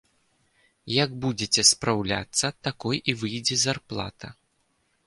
Як будзеце спраўляцца, такой і выйдзе зарплата.